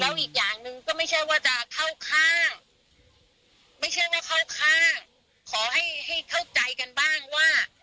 อีกอย่างหนึ่งก็ไม่ใช่ว่าจะเข้าข้างไม่ใช่ว่าเข้าข้างขอให้ให้เข้าใจกันบ้างว่า